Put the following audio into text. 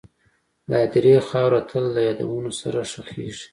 د هدیرې خاوره تل د یادونو سره ښخېږي..